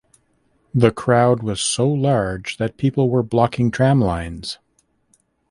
The crowd was so large that people were blocking tramlines.